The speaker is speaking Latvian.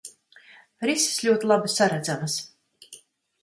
Rises ļoti labi saredzamas.